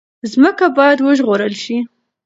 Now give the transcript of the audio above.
ځمکه باید وژغورل شي.